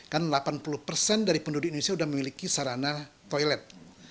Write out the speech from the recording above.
kan delapan puluh persen dari penduduk indonesia sudah memiliki sarana toilet